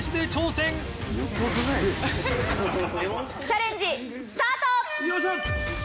チャレンジスタート！